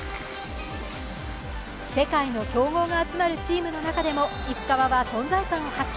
世界の強豪が集まるチームの中でも石川は存在感を発揮。